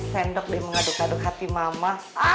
sendok deh mengaduk aduk hati mama